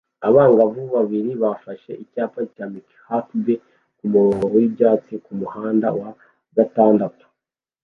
Abangavu babiri bafashe icyapa cya Mike Huckabee kumurongo wibyatsi kumuhanda wa gatandatu